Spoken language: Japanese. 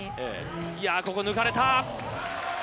いやここ抜かれた。